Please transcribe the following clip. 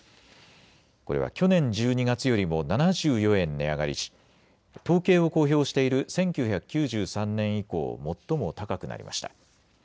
これは去年１２月よりも７４円値上がりし統計を公表している１９９３年以降、最も高くなりました。